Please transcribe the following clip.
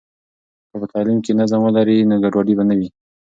که په تعلیم کې نظم ولري، نو ګډوډي به نه وي.